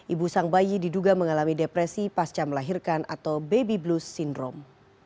ibu sang bayi diduga mengalami depresi pasca melahirkan atau baby blues syndrome